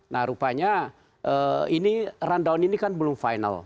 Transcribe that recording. nah rupanya ini rundown ini kan belum final